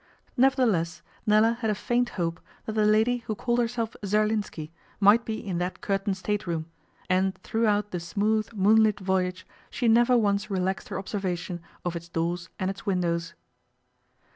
Nevertheless, Nella had a faint hope that the lady who called herself Zerlinski might be in that curtained stateroom, and throughout the smooth moonlit voyage she never once relaxed her observation of its doors and its windows.